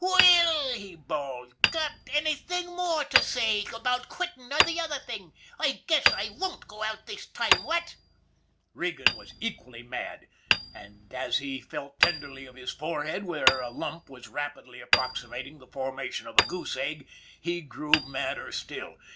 " Well," he bawled, " got anything more to say 192 ON THE IRON AT BIG CLOUD about quittin' or that other thing? I guess I won't go out this time, what ?" Regan was equally mad. And as he felt tenderly of his forehead, where a lump was rapidly approximating the formation of a goose egg, he grew madder still.